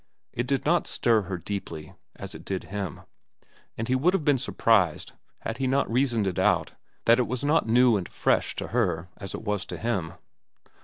It did not stir her deeply, as it did him, and he would have been surprised had he not reasoned it out that it was not new and fresh to her as it was to him.